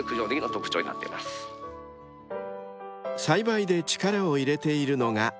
［栽培で力を入れているのが］